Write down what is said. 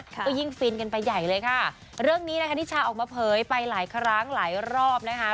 ก็ยิ่งฟินกันไปใหญ่เลยค่ะเรื่องนี้นะคะนิชาออกมาเผยไปหลายครั้งหลายรอบนะคะ